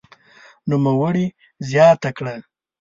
نوموړي زياته کړه